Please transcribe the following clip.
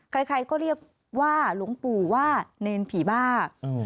ใครก็เรียกว่าหลวงปู่ว่าเนรผีบ้า